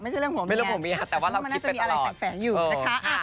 ก็ไม่ใช่เรื่องผัวเมียแต่ว่าเรามีอะไรแฝงอยู่นะคะ